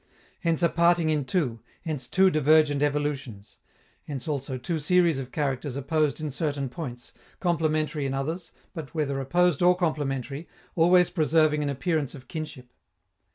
Hence a parting in two, hence two divergent evolutions; hence also two series of characters opposed in certain points, complementary in others, but, whether opposed or complementary, always preserving an appearance of kinship.